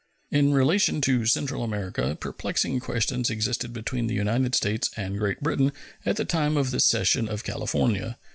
In relation to Central America, perplexing questions existed between the United States and Great Britain at the time of the cession of California.